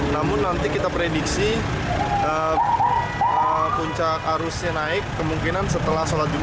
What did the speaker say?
namun nanti kita prediksi puncak arusnya naik kemungkinan setelah sholat jumat